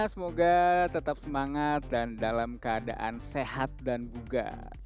semoga tetap semangat dan dalam keadaan sehat dan buga